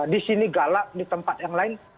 di sini galak di tempat yang lain